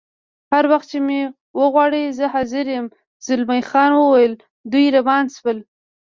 هر وخت چې مې وغواړې زه حاضر یم، زلمی خان وویل: دوی روان شول.